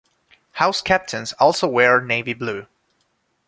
House Captains also wear navy blue.